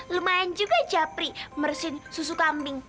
lumayan juga japri mersin susu kambing